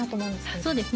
そうですね。